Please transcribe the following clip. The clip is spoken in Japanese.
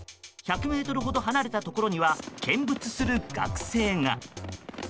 １００ｍほど離れたところには見物する学生が。